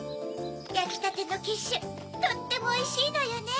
やきたてのキッシュとってもおいしいのよね。